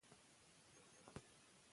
که ښځې اختر وکړي نو خوشحالي به نه وي پټه.